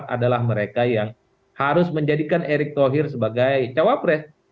adalah mereka yang harus menjadikan erick thohir sebagai cawapres